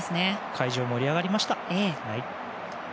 会場も盛り上がりました。